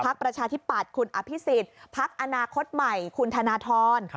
พักประชาธิบัติคุณอภิษฎพักอนาคตใหม่คุณธนทร